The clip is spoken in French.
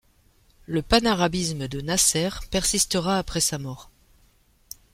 Le panarabisme de Nasser persistera après sa mort.